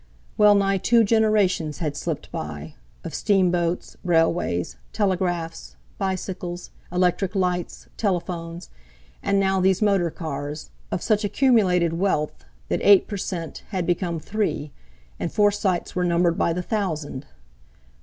Well nigh two generations had slipped by—of steamboats, railways, telegraphs, bicycles, electric light, telephones, and now these motorcars—of such accumulated wealth, that eight per cent. had become three, and Forsytes were numbered by the thousand!